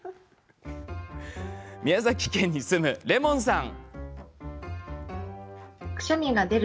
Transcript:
宮崎県に住む、れもんさん。